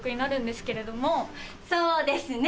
そうですね！